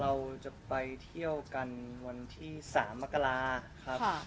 เราจะไปเที่ยวกันวันที่๓มกราครับ